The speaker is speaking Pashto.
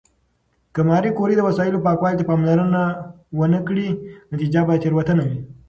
که ماري کوري د وسایلو پاکوالي ته پاملرنه ونه کړي، نتیجه به تېروتنه وي.